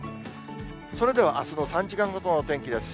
それでは、あすの３時間ごとの天気です。